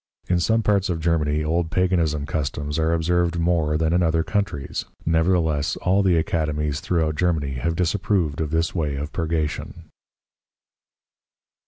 In some parts of Germany old Paganism Customs are observed more than in other Countries, nevertheless all the Academies throughout Germany have disapproved of this way of Purgation.